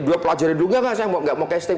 dua pelajari dulu gak kan saya gak mau casting